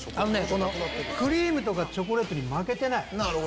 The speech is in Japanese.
クリームとかチョコレートに負けてない！